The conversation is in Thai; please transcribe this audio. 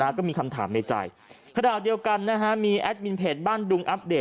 ก็มีคำถามในใจขณะเดียวกันนะฮะมีแอดมินเพจบ้านดุงอัปเดต